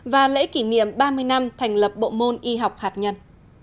và lễ kỷ niệm ba mươi năm thành lập bộ môn y học hạt nhân